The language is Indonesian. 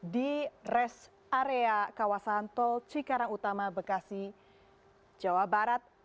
di rest area kawasan tol cikarang utama bekasi jawa barat